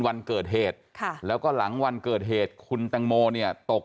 วันเกิดเหตุค่ะแล้วก็หลังวันเกิดเหตุคุณแตงโมเนี่ยตก